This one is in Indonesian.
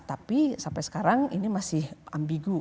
tapi sampai sekarang ini masih ambigu